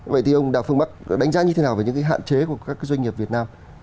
vậy thì ông đào phương bắc đã đánh giá như thế nào về những cái hạn chế của các doanh nghiệp việt nam